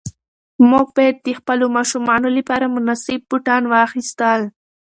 موږ باید د خپلو ماشومانو لپاره مناسب بوټان واخیستل.